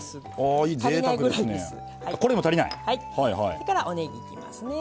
それからおねぎいきますね。